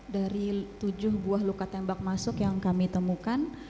dari tujuh buah luka tembak masuk yang kami temukan